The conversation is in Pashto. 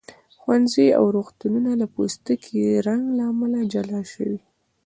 ښوونځي او روغتونونه د پوستکي رنګ له امله جلا شوي.